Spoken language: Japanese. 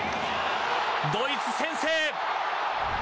ドイツ先制。